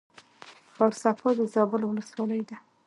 ښار صفا د زابل ولسوالۍ ده